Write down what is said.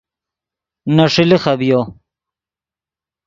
نے ݰیلے خبیو